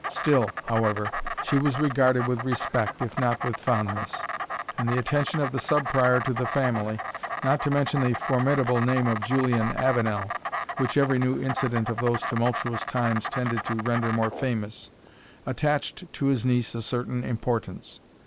Still, however, she was regarded with respect, if not with fondness; and the attention of the Sub Prior to the family, not to mention the formidable name of Julian Avenel, which every new incident of those tumultuous times tended to render more famous, attached to his niece a certain importance.